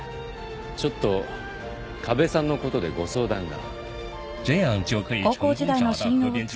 ちょっと河辺さんのことでご相談が